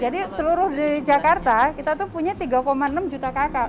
jadi seluruh di jakarta kita tuh punya tiga enam juta kakak